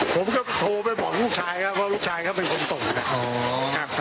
ผมก็โทรไปบอกลูกชายครับว่าลูกชายเขาเป็นคนตก